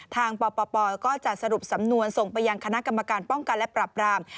ทางปปก็จะสรุปสำนวนส่งไปยังคณะกรรมการป้องกันและปรับราม